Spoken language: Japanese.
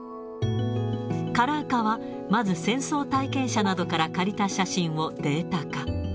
カラー化は、まず戦争体験者などから借りた写真をデータ化。